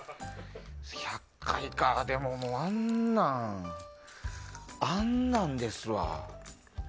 １００回かでも、あんなんあんなんですわ。